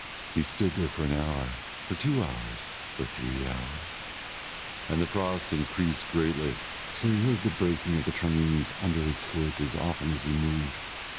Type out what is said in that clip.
He stood there for an hour, for two hours, for three hours, and the frost increased greatly, so that he heard the breaking of the traneens under his foot as often as he moved.